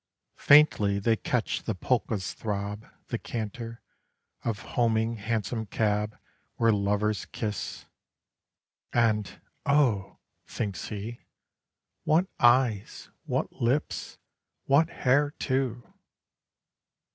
Faintly they catch the polka's throb, the canter Of homing hansom cab where lovers kiss: And "Oh," thinks he, "what eyes, what lips, what hair, too!"